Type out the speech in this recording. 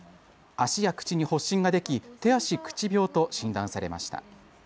足や口に発疹ができ手足口病と診断されました。